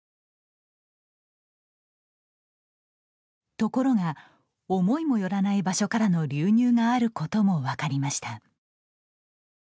ところが思いもよらない場所からの流入があることも分かりました。